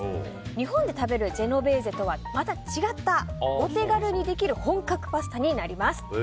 日本で食べるジェノベーゼとはまた違った、お手軽にできる本格パスタになります。